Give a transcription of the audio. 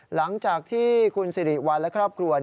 หลังจากที่คุณสิริวัลและครอบครัว